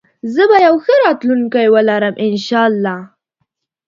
زه به يو ښه راتلونکي ولرم انشاالله